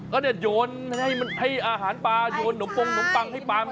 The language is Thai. ก็โยนให้อาหารปลาโยนหนมปงหนมปังให้ปลามันกิน